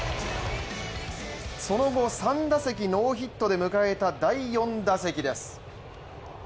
その後、３打席ノーヒットで迎えた第４打席です。